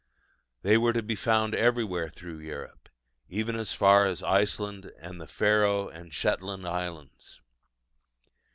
They were to be found everywhere through Europe, even as far as Iceland and the Faroe and Shetland Islands.